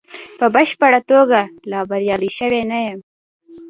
په بشپړه توګه لا بریالی شوی نه یم.